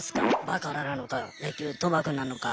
バカラなのか野球賭博なのか。